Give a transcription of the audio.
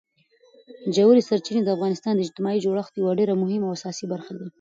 ژورې سرچینې د افغانستان د اجتماعي جوړښت یوه ډېره مهمه او اساسي برخه ده.